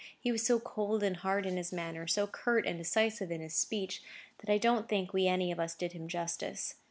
He was so cold and hard in his manner, so curt and decisive in his speech, that I don't think we any of us did him justice.